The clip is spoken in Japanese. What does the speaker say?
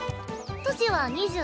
年は２７。